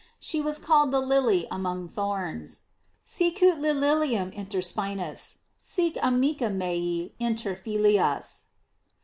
* She was called the lily among thorns :"Sicut lilium inter spinas sic arnica mea inter filias."